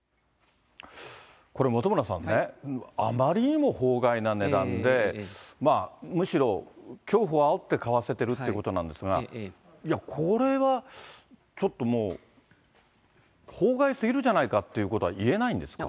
これ本村さんね、あまりにも法外な値段で、むしろ、恐怖をあおって買わせてるということなんですが、いや、これはちょっともう、法外すぎるじゃないかということは言えないんですか。